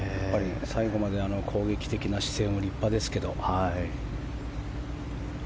最後まであの攻撃的な姿勢も立派ですけど。